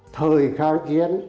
thời kháng chiến